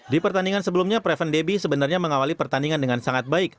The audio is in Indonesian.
di pertandingan sebelumnya preven debbie sebenarnya mengawali pertandingan dengan sangat baik